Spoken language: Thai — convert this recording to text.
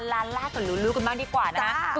ลาล่ากับลูลูบ้างดีกว่านะคะ